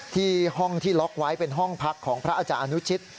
ที่ห้องที่ล็อกไว้เป็นห้องพักของพระอาจารย์อนุชิต